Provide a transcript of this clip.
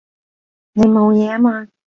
你冇嘢啊嘛？